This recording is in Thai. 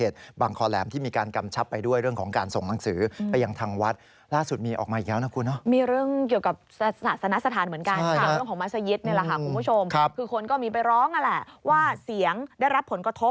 สำนักงานเฮดบังคล